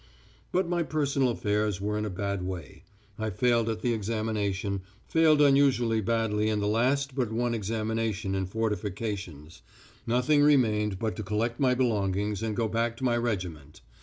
"But my personal affairs were in a bad way. I failed at the examination, failed unusually badly in the last but one examination in fortifications. Nothing remained but to collect my belongings and go back to my regiment.